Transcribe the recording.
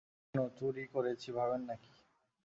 কেন, চুরি করেছি ভাবেন নাকি?